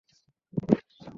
তুই কি আছিস?